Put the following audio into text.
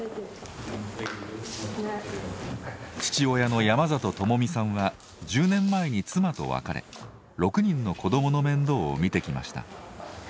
父親の山里朝視さんは１０年前に妻と別れ６人の子どもの面倒を見てきました。